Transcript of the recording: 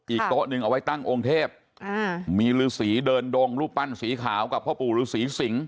โต๊ะหนึ่งเอาไว้ตั้งองค์เทพอ่ามีฤษีเดินดงรูปปั้นสีขาวกับพ่อปู่ฤษีสิง